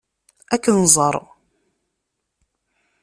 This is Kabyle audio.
Ad k-nẓer.